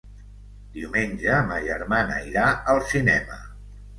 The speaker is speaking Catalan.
Diumenge ma germana irà al cinema.